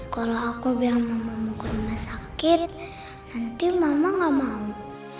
kalau aku bilang mama mau ke rumah sakit nanti mama nggak mau